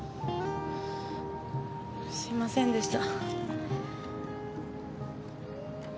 すいませんでした。